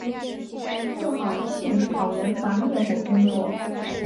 做好森林草原防灭火工作